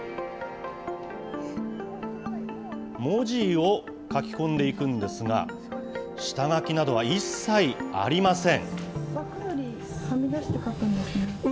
文字を書き込んでいくんですが、下書きなどは一切ありません。